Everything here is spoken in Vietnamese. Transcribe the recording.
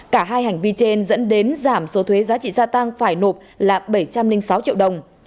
cả hai hành vi trên dẫn đến giảm số thuế giá trị gia tăng phải nộp là bảy trăm linh sáu triệu đồng